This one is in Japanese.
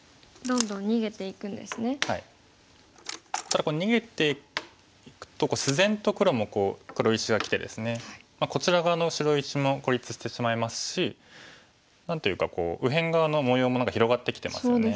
ただ逃げていくと自然と黒もこう黒石がきてですねこちら側の白石も孤立してしまいますし何というか右辺側の模様も広がってきてますよね。